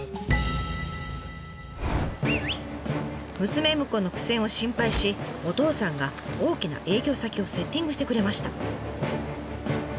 娘婿の苦戦を心配しお義父さんが大きな営業先をセッティングしてくれました。